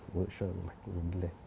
vữa sơ động mạch nó đi lên